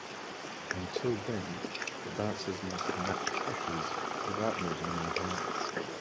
Until then, the dancers must match pressures without moving their hands.